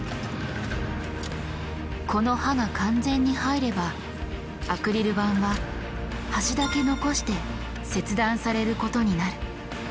この刃が完全に入ればアクリル板は端だけ残して切断されることになる。